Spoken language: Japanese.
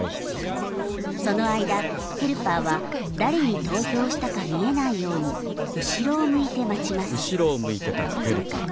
その間ヘルパーは誰に投票したか見えないように後ろを向いて待ちます。